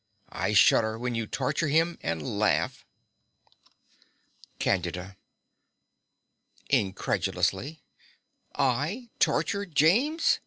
I shudder when you torture him and laugh. CANDIDA (incredulously). I torture James!